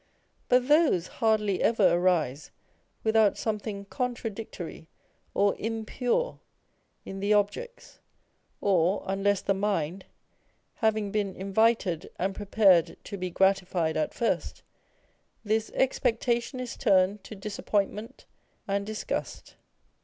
But these hardly ever arise with out something contradictory or impure in the objects, or unless the mind, having been invited and prepared to be gratified at first, this expectation is turned to disappoint ment and disgust.